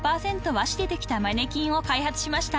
和紙でできたマネキンを開発しました］